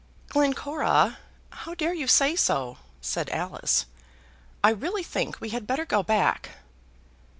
"Glencora, how dare you say so?" said Alice. "I really think we had better go back."